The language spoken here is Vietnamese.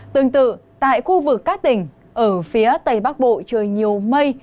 tương tự tại khu vực các tỉnh ở phía tây bắc bộ trời nhiều mây